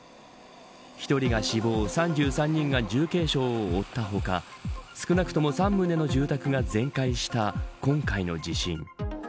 １人が死亡３３人が重軽傷を負った他少なくとも３棟の住宅が全壊した今回の地震。